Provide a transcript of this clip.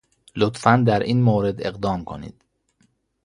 لطفاً در این مورد اقدام کنید.